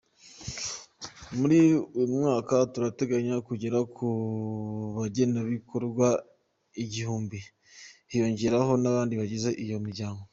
Muri uyu mwaka turateganya kugera ku bagenerwabikorwa igihumbi, hiyongereyeho n’ abandi bagize iyo miryango.